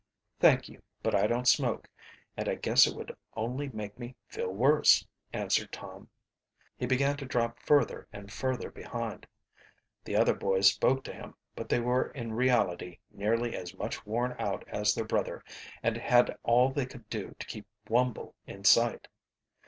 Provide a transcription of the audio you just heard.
"Thank you, but I don't smoke, and I guess it would only make me feel worse," answered Tom. He began to drop further and further behind. The other boys spoke to him, but they were in reality nearly as much worn out as their brother, and had all they could do to keep Wumble in sight.